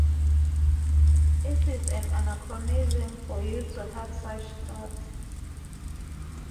It is an anachronism for you to have such thoughts.